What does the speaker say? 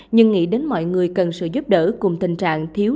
nhưng nghĩ đến mọi người cần sự giúp đỡ cùng tình trạng thiếu